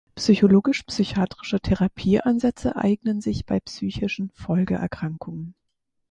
Psychologisch-psychiatrische Therapieansätze eignen sich bei psychischen Folgeerkrankungen.